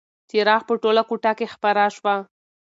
څراغ په ټوله کوټه کې خپره شوه.